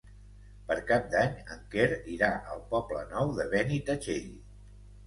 Per Cap d'Any en Quer irà al Poble Nou de Benitatxell.